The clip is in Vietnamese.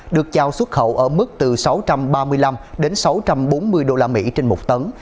được trao xuất khẩu ở mức từ sáu trăm ba mươi năm đến sáu trăm bốn mươi usd trên một tấn